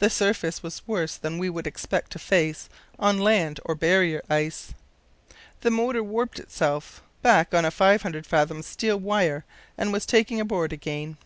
The surface was worse than we would expect to face on land or barrier ice. The motor warped itself back on a 500 fathom steel wire and was taken aboard again.